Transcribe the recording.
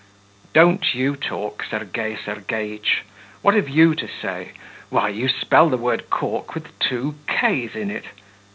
'Don't you talk, Sergei Sergeitch! What have you to say? Why, you spell the word cork with two k's in it....